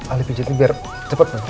alipinjad ini biar cepet nungguin